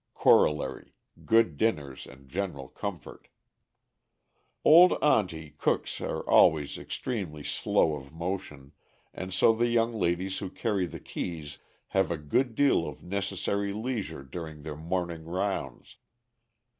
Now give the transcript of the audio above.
(Corollary good dinners and general comfort.) Old "Aunty" cooks are always extremely slow of motion, and so the young ladies who carry the keys have a good deal of necessary leisure during their morning rounds.